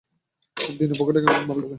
দিনে পকেটে কেমন মাল ঢুকে?